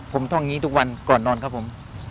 ผมท่องนี้ทุกวันก่อนนอนครับผม